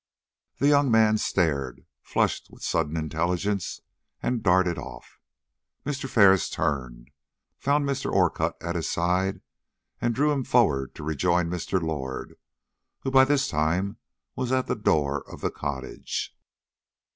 The young man stared, flushed with sudden intelligence, and darted off. Mr. Ferris turned, found Mr. Orcutt still at his side, and drew him forward to rejoin Mr. Lord, who by this time was at the door of the cottage.